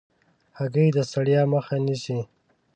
هګۍ د ستړیا مخه نیسي.